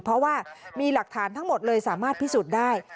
เพราะว่ามีหลักฐานทั้งหมดเลยสามารถพิสูจน์ได้